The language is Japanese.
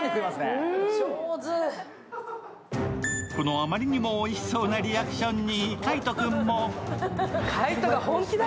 あまりにもおいしそうなリアクションに海音君も。